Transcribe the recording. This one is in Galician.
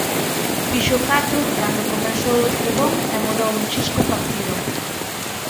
Fixo catro cando comezou o trebón e mudou un chisco o partido.